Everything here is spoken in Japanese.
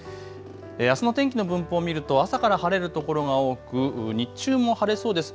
あすの天気の分布を見ると朝から晴れる所が多く日中も晴れそうです。